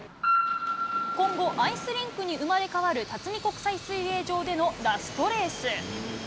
今後、アイスリンクに生まれ変わる辰巳国際水泳場でのラストレース。